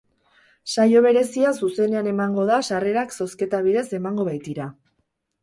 Saio berezia zuzenean emango da sarrerak zozketa bidez emango baitira.